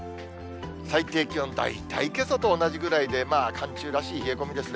最低気温、大体けさと同じぐらいで、寒中らしい冷え込みですね。